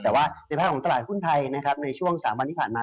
แต่ในภาพของตลาดหุ้นไทยในช่วงสองวันที่ผ่านมา